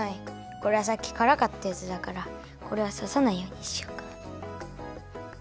これはさっきからかったやつだからこれはささないようにしようか。